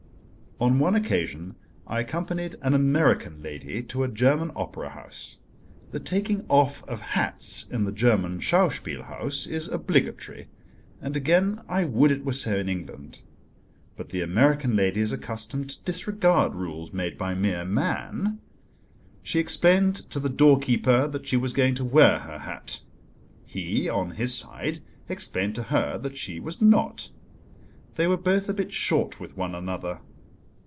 On one occasion I accompanied an American lady to a German Opera House. The taking off of hats in the German Schausspielhaus is obligatory, and again I would it were so in England. But the American lady is accustomed to disregard rules made by mere man. She explained to the doorkeeper that she was going to wear her hat. He, on his side, explained to her that she was not: they were both a bit short with one another.